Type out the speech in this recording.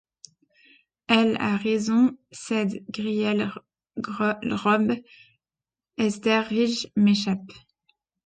Ele a réson, cedde grielle Irobe ?— Esder rige m’échappe…